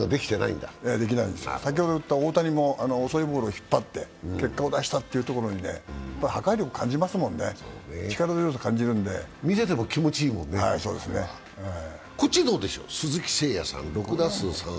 できないんですよ、先ほど打った大谷も遅いボールを引っ張って結果を出したというところに破壊力感じますもんね、見てても気持ちいいもんね、こちらどうでしょう、鈴木誠也さん